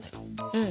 うん。